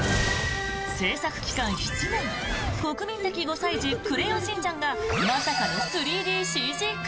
制作期間７年、国民的５歳児「クレヨンしんちゃん」がまさかの３ＤＣＧ化！